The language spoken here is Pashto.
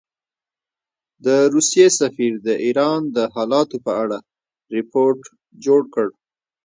د روسیې سفیر د ایران د حالاتو په اړه رپوټ جوړ کړ.